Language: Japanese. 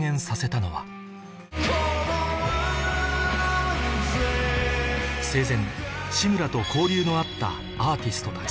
このアンセムが生前志村と交流のあったアーティストたち